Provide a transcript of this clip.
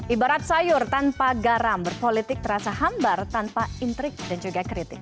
ibarat sayur tanpa garam berpolitik terasa hambar tanpa intrik dan juga kritik